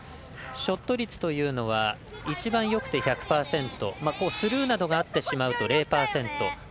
ショット率というのは一番よくて１００％スルーなどがあってしまうと０％。